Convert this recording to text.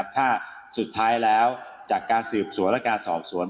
ถ้าสุดท้ายแล้วจากการสืบสวนและการสอบสวน